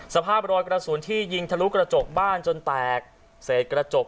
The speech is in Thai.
สภาพรอยกระสุนที่ยิงทะลุกระจกบ้านจนแตกเสร็จกระจก